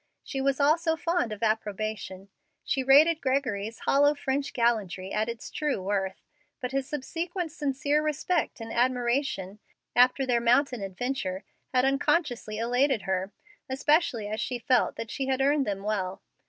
She was also fond of approbation. She rated Gregory's hollow French gallantry at its true worth, but his subsequent sincere respect and admiration, after their mountain adventure, had unconsciously elated her, especially as she felt that she had earned them well.